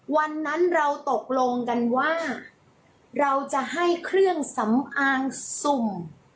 วันนั้นเราตกลงกันว่าเราจะให้เครื่องสำอางสุ่ม